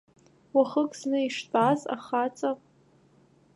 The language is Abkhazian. Уахык зны иштәаз, ахаҵа…